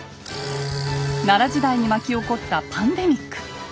奈良時代に巻き起こったパンデミック。